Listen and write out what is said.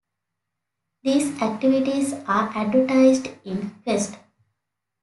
These activities are advertised in "Quest".